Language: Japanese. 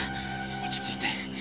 落ち着いて。